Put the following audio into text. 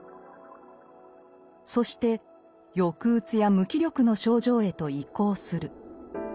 そして抑うつや無気力の症状へと移行する。